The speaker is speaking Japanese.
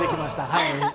はい。